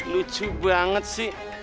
lucu banget sih